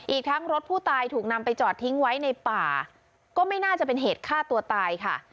อีกทั้งรถผู้ตายถูกนำไปจอดทิ้งไว้ในป่าก็ไม่น่าจะเป็นเหตุฆ่าตัวตายค่ะ